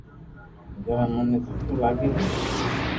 گھر اموني ني سٺو لاگي ھي